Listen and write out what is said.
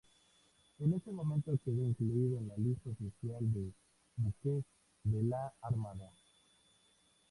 En ese momento quedó incluido en la Lista Oficial de Buques de la Armada.